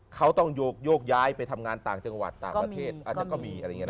เขาต้องโยกย้ายไปทำงานต่างจังหวัดต่างประเทศอาจจะก็มี